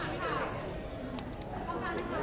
โอเคขอบคุณค่ะ